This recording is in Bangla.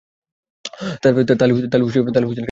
তালে হুসেন খান বিদ্যালয়, মুখুরিয়া।